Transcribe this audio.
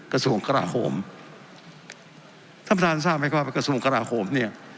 กระทรวงกราโหมท่านประธานทราบไหมครับว่ากระทรวงกราโหมเนี่ย